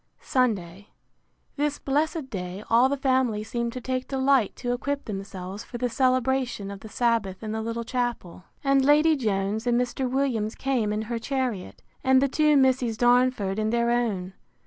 Sunday. This blessed day all the family seemed to take delight to equip themselves for the celebration of the Sabbath in the little chapel; and Lady Jones and Mr. Williams came in her chariot, and the two Misses Darnford in their own.